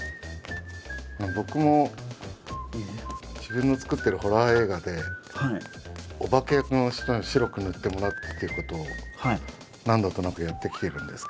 僕も自分の作ってるホラー映画でお化け役の人に白く塗ってもらうっていうことを何度となくやってきてるんですけれども。